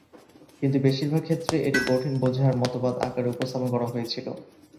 কিন্তু, বেশিরভাগ ক্ষেত্রে, এটি কঠিন-বোঝার মতবাদ আকারে উপস্থাপন করা হয়েছিল।